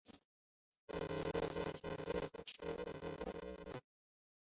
瓜拉雪兰莪县的县城和县府皆为瓜拉雪兰莪。